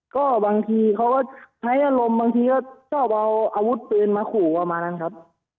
ก็บางทีเขาก็ใช้อารมณ์บางทีก็ชอบเอาอาวุธปืนมาขู่ประมาณนั้นครับ